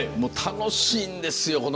楽しいんですよ。